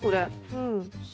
うん。